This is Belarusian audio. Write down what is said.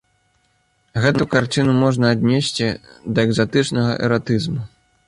Гэту карціну можна аднесці да экзатычнага эратызму.